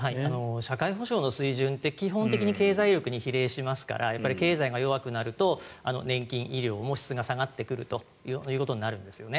社会保障の水準って基本的に経済力に比例しますから経済が弱くなると年金、医療も質が下がってくるということになるんですよね。